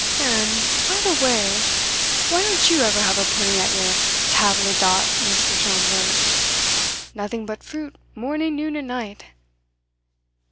And, by the way, why don't you ever have a pudding at your tablydott, Mr. Schomberg? Nothing but fruit, morning, noon, and night.